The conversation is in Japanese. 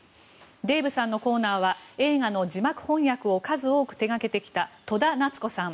デーブさんのコーナーは映画の字幕翻訳を数多く手掛けてきた戸田奈津子さん。